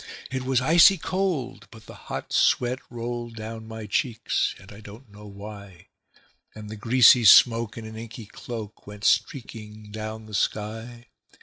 It was icy cold, but the hot sweat rolled down my cheeks, and I don't know why; And the greasy smoke in an inky cloak went streaking down the sky.